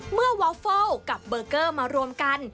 วอลเฟิลกับเบอร์เกอร์มารวมกัน